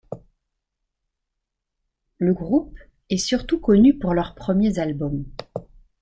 Le groupe est surtout connu pour leurs premiers albums.